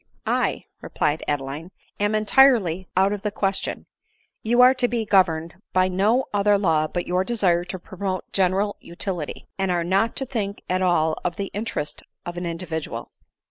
" I," replied Adeline, " am entirely out of the ques ADELINE MOWBRAY. 79 tion ; you are to be governed by no other law but your desire to promote general utility, and are not to think at all of the interest of an individual."